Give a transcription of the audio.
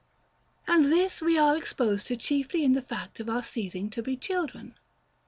And this we are exposed to chiefly in the fact of our ceasing to be children.